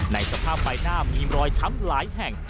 สภาพใบหน้ามีรอยช้ำหลายแห่ง